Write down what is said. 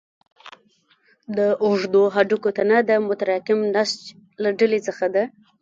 د اوږدو هډوکو تنه د متراکم نسج له ډلې څخه ده.